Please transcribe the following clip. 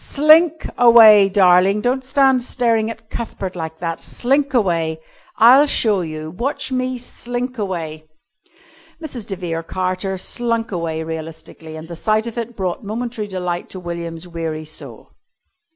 Slink away, darling. Don't stand staring at Cuthbert like that. Slink away. I'll show you. Watch me slink away." Mrs. de Vere Carter slunk away realistically, and the sight of it brought momentary delight to William's weary soul.